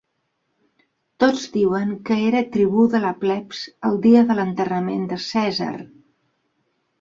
Tots diuen que era tribú de la plebs el dia de l'enterrament de Cèsar.